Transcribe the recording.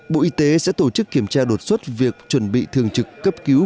bộ y tế sẽ tổ chức kiểm tra đột xuất việc chuẩn bị thường trực cấp cứu